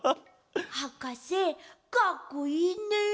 はかせかっこいいね。